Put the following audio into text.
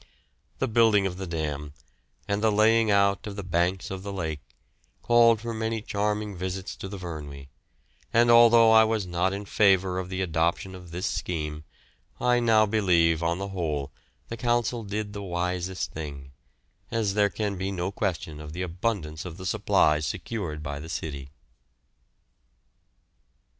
The building of the dam, and the laying out of the banks of the lake, called for many charming visits to the Vyrnwy; and although I was not in favour of the adoption of this scheme I now believe on the whole the Council did the wisest thing, as there can be no question of the abundance of the supplies secured by the city.